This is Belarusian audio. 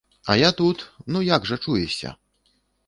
А я тут, ну, як жа чуешся?